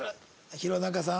弘中さん。